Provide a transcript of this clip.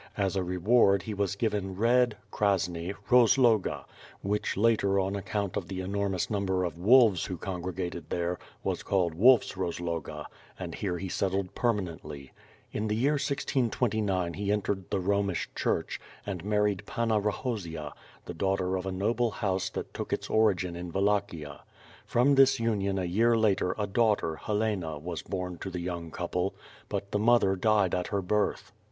As a reward he was given Red (Krasne) Rozloga, which later on account of the enormous number of wolves who congregated there, was called WolPs Rozloga, and here he settled permanently. In the year 1629 he entered the Romish church, and married Panna Rahozia, the daughter of a noble house that took its origin in Wallachia. From this imion a year later a daughter, Helena, was born to the young couple, but the mother died at her birth.